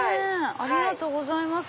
ありがとうございます。